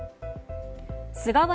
菅原